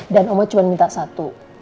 dan oma cuma minta satu